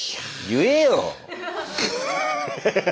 言えよ。